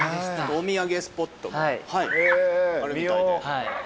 お土産スポットもあるみたいで。